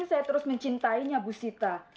saya terus mencintainya bu sita